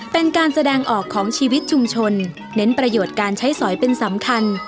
เป็นการแสดงออกของชีวิตชุมชนเน้นประโยชน์การใช้สอยเป็นสำคัญ